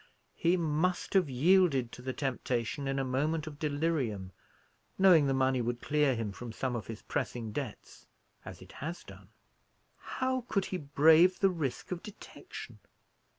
He must have yielded to the temptation in a moment of delirium, knowing the money would clear him from some of his pressing debts as it has done." "How could he brave the risk of detection?"